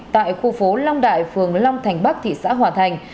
tại khu phố long đại phường long thành bắc thị xã hòa thành